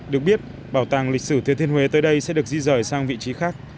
được biết bảo tàng lịch sử thừa thiên huế tới đây sẽ được di rời sang vị trí khác